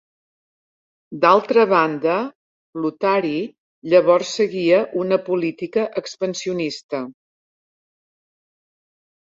D'altra banda, Lotari llavors seguia una política expansionista.